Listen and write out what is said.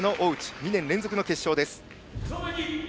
２年連続の決勝。